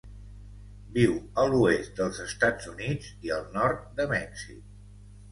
Viu a l'oest dels Estats Units i el nord de Mèxic.